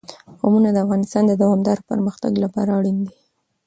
قومونه د افغانستان د دوامداره پرمختګ لپاره اړین دي.